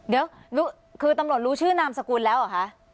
เดี๋ยวคือตำรวจรู้ชื่อนามสกุลแล้วเหรอคะ